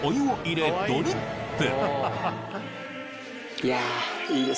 いや。